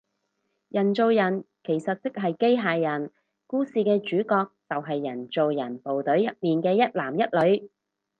人造人其實即係機械人，故事嘅主角就係人造人部隊入面嘅一男一女